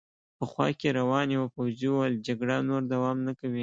په خوا کې روان یوه پوځي وویل: جګړه نور دوام نه کوي.